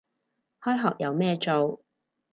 開學有咩做